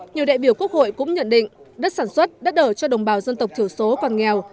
nhiều đại biểu quốc hội cũng nhận định đất sản xuất đất ở cho đồng bào dân tộc thiểu số còn nghèo